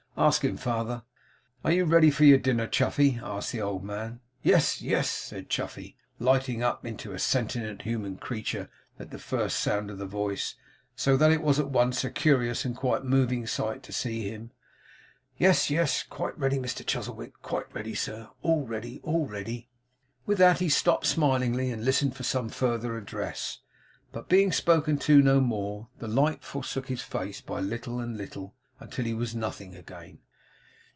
'Ask him, father.' 'Are you ready for your dinner, Chuffey?' asked the old man 'Yes, yes,' said Chuffey, lighting up into a sentient human creature at the first sound of the voice, so that it was at once a curious and quite a moving sight to see him. 'Yes, yes. Quite ready, Mr Chuzzlewit. Quite ready, sir. All ready, all ready, all ready.' With that he stopped, smilingly, and listened for some further address; but being spoken to no more, the light forsook his face by little and little, until he was nothing again.